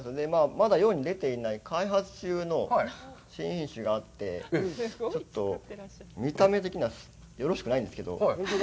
まだ世に出ていない、開発中の新品種があって、ちょっと見た目的にはよろしくないんですけど。